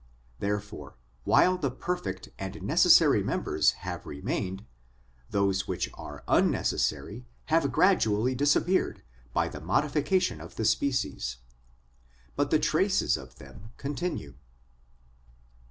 Therefore while the perfect and necessary members have remained, those which are unnecessary have gradually disappeared by the modification of the species, but the traces of them continue.